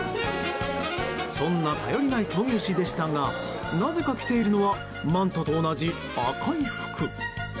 そんな頼りない闘牛士でしたがなぜか、着ているのはマントと同じ赤い服。